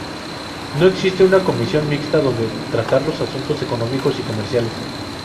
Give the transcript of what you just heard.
No existe una Comisión Mixta donde tratar los asuntos económicos y comerciales